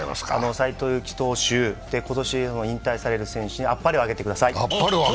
斎藤佑樹投手、今年引退される投手にあっぱれをあげてください。